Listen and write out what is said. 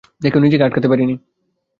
দেখে নিজেকে আটকাতে পারিনি।